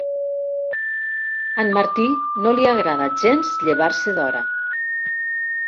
A en Martí no li agrada gens llevar-se d'hora.